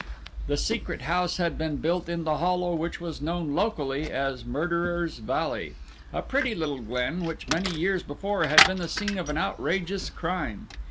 The Secret House had been built in the hollow which was known locally as "Murderers' Valley," a pretty little glen which many years before had been the scene of an outrageous crime.